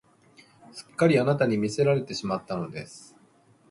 すっかりあなたに魅せられてしまったのです